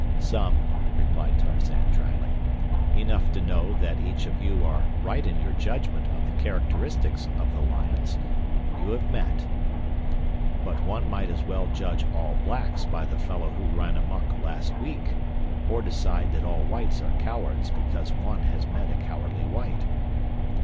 "Some," replied Tarzan, dryly. "Enough to know that each of you are right in your judgment of the characteristics of the lions—you have met. But one might as well judge all blacks by the fellow who ran amuck last week, or decide that all whites are cowards because one has met a cowardly white.